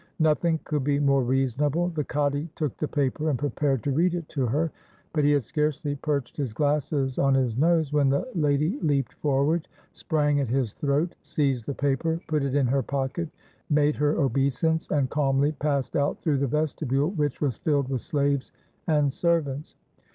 Nothing could be more reasonable. The Cadi took the paper, and prepared to read it to her; but he had scarcely perched his glasses on his nose when the lady leaped forward, sprang at his throat, seized the paper, put it in her pocket, made her obeisance, and calmly passed out through the vestibule, which was filled with slaves and servants.